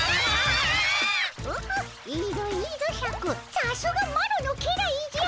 さすがマロの家来じゃ。